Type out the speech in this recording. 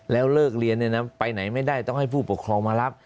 แล้วเลิกเรียนไปไหนไม่ได้ต้องให้ผู้ปกครองมารับ